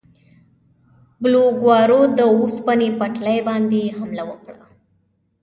بلواګرو د اوسپنې پټلۍ باندې حمله وکړه.